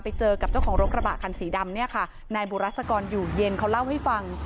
ไปเจอกับเจ้าของรถกระบะคันสีดำเนี่ยค่ะนายบุรัศกรอยู่เย็นเขาเล่าให้ฟัง